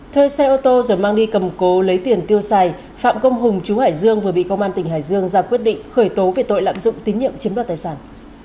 thuê xe ô tô rồi mang đi cầm cố lấy tiền tiêu xài phạm công hùng chú hải dương vừa bị công an tỉnh hải dương ra quyết định khởi tố về tội lạm dụng tín nhiệm chiếm đoạt tài sản